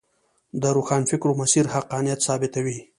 د روښانفکرو مسیر حقانیت ثابتوي.